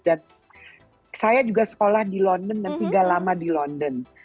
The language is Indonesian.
dan saya juga sekolah di london dan tinggal lama di london